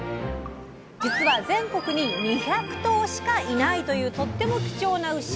実は全国に２００頭しかいないというとっても貴重な牛。